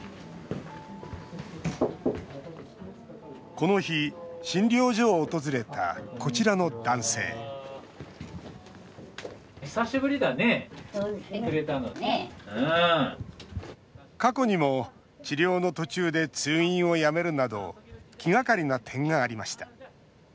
この日、診療所を訪れたこちらの男性過去にも治療の途中で通院をやめるなど気がかりな点がありました。